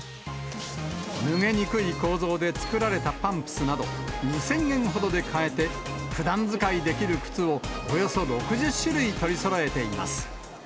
脱げにくい構造で作られたパンプスなど、２０００円ほどで買えて、ふだん使いできる靴をおよそ６０種類取りそろえています。